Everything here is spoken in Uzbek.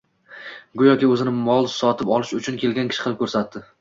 go`yoki o`zini mol sotib oilsh uchun kelgan kishi qilib ko`rsatdi